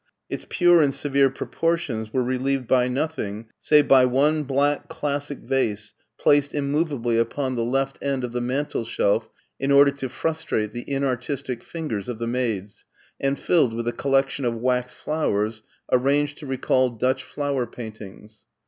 Its pure and severe proportions were relieved by nothing save by one black classic vase placed immovably upon the left 198 MARTIN SCHULER end of the mantelshelf in order to frustrate the inart istic fingers of the maids, and filled with a collection of wax flowers arranged to recall Dutch flower paint ings.